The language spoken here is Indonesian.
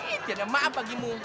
ih tidak maap bagimu